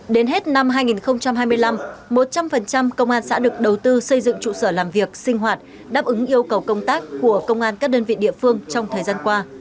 đến hết năm hai nghìn hai mươi năm một trăm linh công an xã được đầu tư xây dựng trụ sở làm việc sinh hoạt đáp ứng yêu cầu công tác của công an các đơn vị địa phương trong thời gian qua